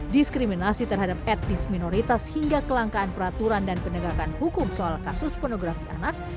diskriminasi terhadap etnis minoritas hingga kelangkaan peraturan dan penegakan hukum soal kasus pornografi anak